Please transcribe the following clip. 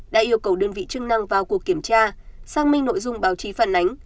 đã yêu cầu đơn vị chức năng vào cuộc kiểm tra xác minh nội dung báo chí phản ánh